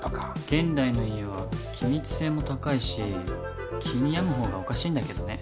現代の家は気密性も高いし気に病むほうがおかしいんだけどね。